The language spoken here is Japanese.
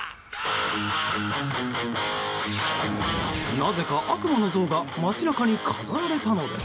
なぜか悪魔の像が街中に飾られたのです。